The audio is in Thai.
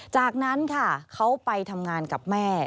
จากนั้นค่ะเขาไปทำงานกับแม่